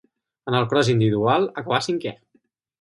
En el cros individual acabà cinquè.